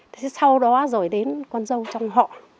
thế sau đó rồi đến con dâu trong họ